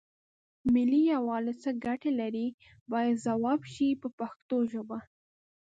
ملي یووالی څه ګټې لري باید ځواب شي په پښتو ژبه.